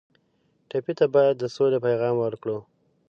ټپي ته باید د سولې پیغام ورکړو.